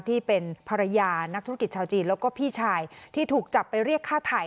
ที่เป็นภรรยานักธุรกิจชาวจีนแล้วก็พี่ชายที่ถูกจับไปเรียกฆ่าไทย